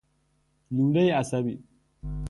لوله عصبی